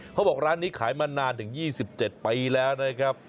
เขาบอกร้านนี้ขายมานานถึง๒๗ปีแล้วนะครับ